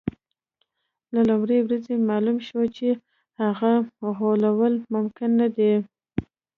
له لومړۍ ورځې معلومه شوه چې هغه غولول ممکن نه دي.